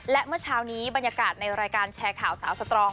และเมื่อเช้านี้บรรยากาศในรายการแชร์ข่าวสาวสตรอง